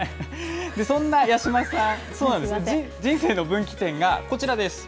そんな八嶋さん、そうなんです、人生の分岐点がこちらです。